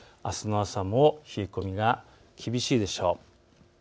あすの朝も冷え込みが厳しいでしょう。